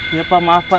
iya pak maaf pak